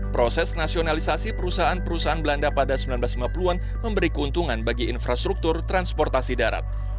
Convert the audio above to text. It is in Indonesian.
proses nasionalisasi perusahaan perusahaan belanda pada seribu sembilan ratus lima puluh an memberi keuntungan bagi infrastruktur transportasi darat